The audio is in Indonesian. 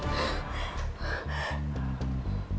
kan tak jelas